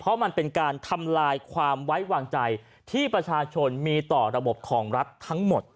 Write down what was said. เพราะมันเป็นการทำลายความไว้วางใจที่ประชาชนมีต่อระบบของรัฐทั้งหมด